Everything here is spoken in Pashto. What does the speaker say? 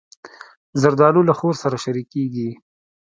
زردالو له خور سره شریکېږي.